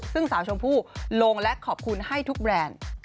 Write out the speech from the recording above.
ซึ่งสาวชมพู่ลงและขอบคุณให้ทุกแบรนด์